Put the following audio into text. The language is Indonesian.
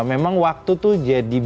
jadi memang waktu tuh jadi bias disini ya